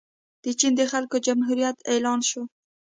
د چین د خلکو جمهوریت اعلان شو.